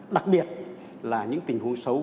đặc biệt là những tình huống xấu